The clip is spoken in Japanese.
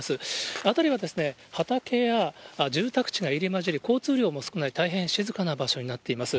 辺りは畑や住宅地が入りまじり、交通量も少ない大変静かな場所になっています。